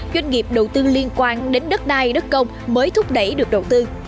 doanh nghiệp đầu tư liên quan đến đất đai đất công mới thúc đẩy được đầu tư